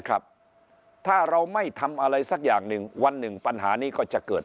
ครับถ้าเราไม่ทำอะไรสักอย่างหนึ่งวันหนึ่งปัญหานี้ก็จะเกิด